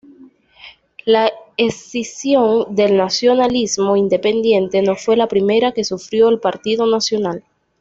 La escisión del Nacionalismo Independiente no fue la primera que sufrió el Partido Nacional.